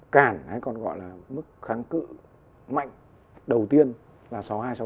cản hay còn gọi là mức kháng cự mạnh đầu tiên là sáu mươi hai sáu mươi bốn